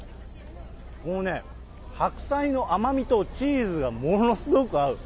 もうね、白菜の甘みとチーズがものすごく合う。